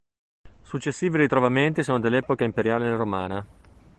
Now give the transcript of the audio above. Successivi ritrovamenti sono dell'epoca imperiale Romana.